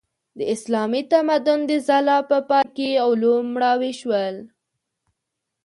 د اسلامي تمدن د ځلا په پای کې علوم مړاوي شول.